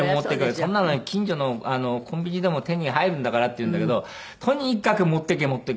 「そんなの近所のコンビニでも手に入るんだから」って言うんだけどとにかく「持っていけ持っていけ」って。